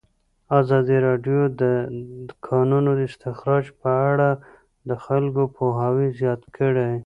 ازادي راډیو د د کانونو استخراج په اړه د خلکو پوهاوی زیات کړی.